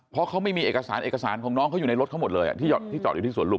เพราะเขาไม่มีเอกสารเอกสารของน้องเขาอยู่ในรถเขาหมดเลยที่จอดอยู่ที่สวนลุ